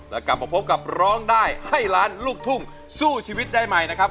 แล้วกลับมาพบกับร้องได้ให้ล้านลูกทุ่งสู้ชีวิตได้ใหม่นะครับ